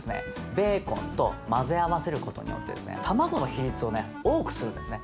ベーコンと混ぜ合わせることによってですね卵の比率をね多くするんですね。